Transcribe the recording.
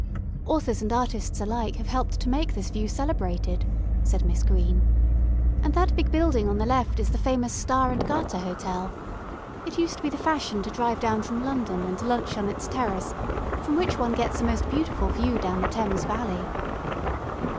"Authors and artists alike have helped to make this view celebrated," said Miss Green, "and that big building on the left is the famous 'Star and Garter' hotel. It used to be the fashion to drive down from London and lunch on its terrace, from which one gets a most beautiful view down the Thames valley."